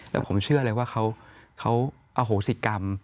แล้วผมเชื่อเลยว่าเขาอโหสิกรรม